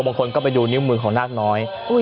บางคนก็ไปดูนิ้วมือของนาคน้อย